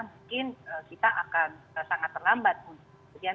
mungkin kita akan sangat terlambat untuk kemudian